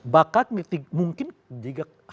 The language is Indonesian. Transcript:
bahkan mungkin jika hatta ketiga perang